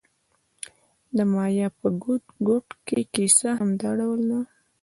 د مایا په ګوټ ګوټ کې کیسه همدا ډول ده.